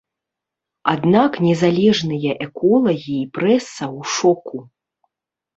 Аднак незалежныя эколагі і прэса ў шоку.